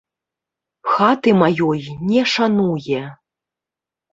Хаты маёй не шануе.